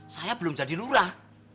saya belum jadi lurah